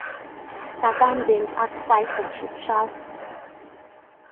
Таган ден асфальтым шупшал.